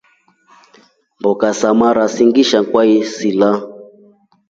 Mboka sa mara singisha kwasila.